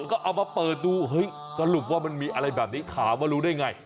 ก็เอามาเปิดดูเฮ้ยสรุปว่ามันมีอะไรแบบนี้ถามว่ารู้ได้ไง